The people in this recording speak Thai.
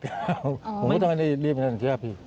ผมต้องให้ได้รีบมาหนังที่แล้วพี่